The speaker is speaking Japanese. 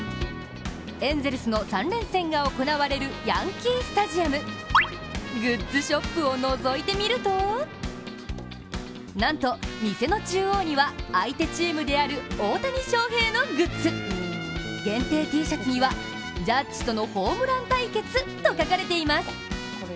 エンゼルスの３連戦が行われるヤンキーススタジアムグッズショップを覗いてみるとなんと店の中央には、相手チームである大谷翔平のグッズ限定Ｔシャツにはジャッジとのホームラン対決と書かれています。